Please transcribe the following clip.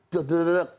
duh duh duh duh